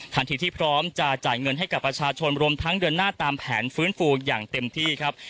ที่พร้อมจะจ่ายเงินให้กับประชาชนรวมทั้งเดินหน้าตามแผนฟื้นฟูอย่างเต็มที่ครับ